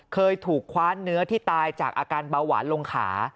เคยถูกคว้าเนื้อที่ตายจากอาการเบาหวานลงขา